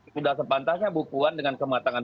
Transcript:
sudah sepantasnya mbak puan dengan kematangan